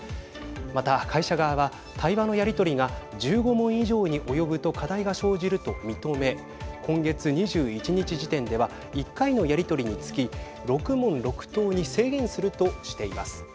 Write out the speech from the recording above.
また、会社側は対話のやり取りが１５問以上に及ぶと課題が生じると認め今月２１日時点では１回のやり取りにつき６問６答に制限するとしています。